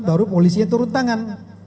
baru polisi yang turun tangan